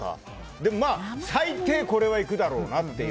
でも最低これはいくだろうなという。